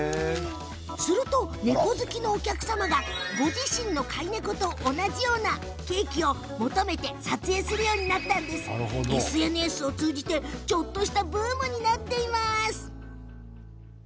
すると猫好きのお客様がご自身の飼い猫と同じようなケーキを求めて撮影するようになってＳＮＳを通じて、ちょっとしたブームになっているんです。